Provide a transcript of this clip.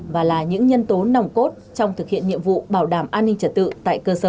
và là những nhân tố nòng cốt trong thực hiện nhiệm vụ bảo đảm an ninh trật tự tại cơ sở